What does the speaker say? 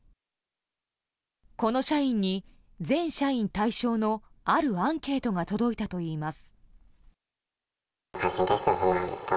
この社員に全社員対象のあるアンケートが届いたといいます。